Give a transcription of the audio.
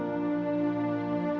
kalian cuma berwa bercanda